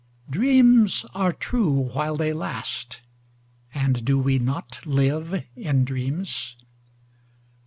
Dreams are true while they last, and do we not live in dreams?